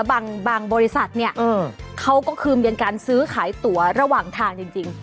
บางบริษัทเนี่ยเขาก็คือมีการซื้อขายตัวระหว่างทางจริง